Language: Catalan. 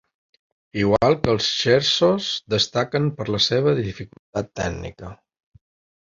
Igual que els scherzos, destaquen per la seva dificultat tècnica.